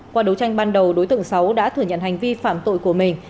qua đấu tranh ban đầu đối tượng sáu đã thừa nhận hành vi phạm tội của mình